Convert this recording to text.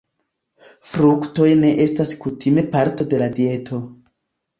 Fruktoj ne estas kutime parto de la dieto.